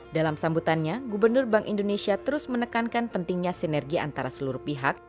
dalam sambutannya gubernur bank indonesia terus menekankan pentingnya sinergi antara seluruh pihak